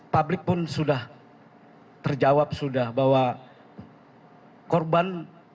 publik pun sudah terjawab sudah bahwa korban